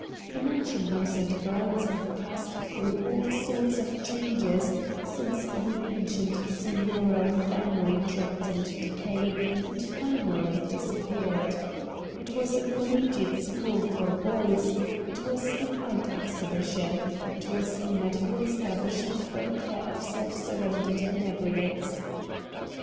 The mansion house and grounds have passed through all sorts of changes since the ancient seigniorial family dropped into decay and finally disappeared : it was a collegiate school FIDELIA LOCKE 141 for boys, it was an art exhibition, it was a medical establishment for the care of self surrendered inebriates.